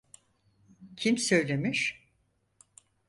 Kim söylemiş?